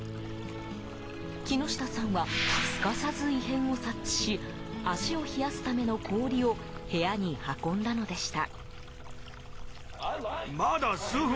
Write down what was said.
木下さんはすかさず異変を察知し足を冷やすための氷を部屋に運んだのでした。